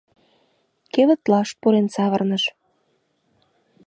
Кевытлаш пурен савырныш.